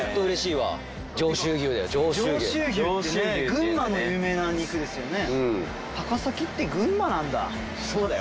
群馬の有名な肉ですよね。